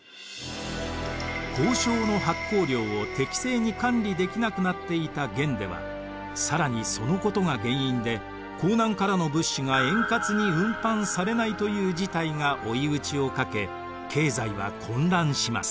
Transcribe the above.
交鈔の発行量を適正に管理できなくなっていた元では更にそのことが原因で江南からの物資が円滑に運搬されないという事態が追い打ちをかけ経済は混乱します。